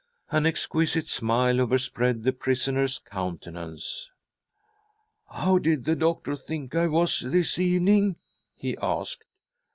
An exquisite smile overspread the prisoner's countenance. " How did the doctor think I was this evening ?" he asked.